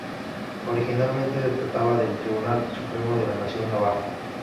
Originalmente se trataba del tribunal supremo en la Nación Navajo.